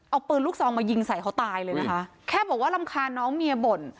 เอาปืนลูกซองมายิงใส่เขาตายเลยนะคะแค่บอกว่ารำคาญน้องเมียบ่น